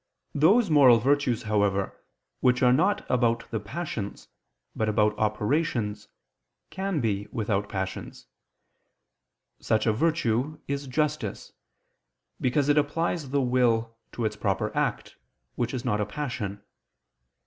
Those moral virtues, however, which are not about the passions, but about operations, can be without passions. Such a virtue is justice: because it applies the will to its proper act, which is not a passion.